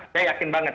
saya yakin banget